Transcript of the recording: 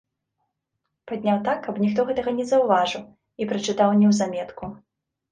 Падняў так, каб ніхто гэтага не заўважыў, і прачытаў неўзаметку.